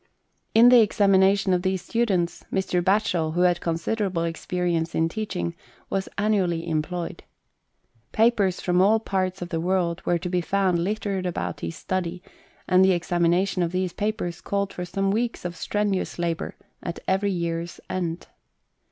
In the examination of these students, Mr. Batchel, who had considerable experience in teaching, was annually employed. Papers from all parts of the world were to be foufad littered about his study, and the examination of these papers called for some weeks of strenuous labour at every year's end.